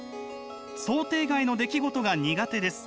「想定外の出来事が苦手です。